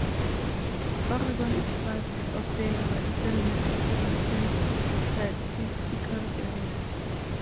Oregon is part of the Madison Metropolitan Statistical Area.